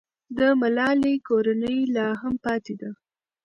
د ملالۍ کورنۍ لا هم پاتې ده.